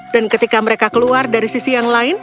dan ketika mereka keluar dari sisi yang lain